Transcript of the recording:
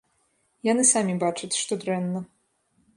Яны самі бачаць, што дрэнна.